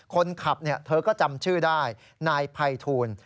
คนขับเธอก็จำชื่อได้นายภัยทูล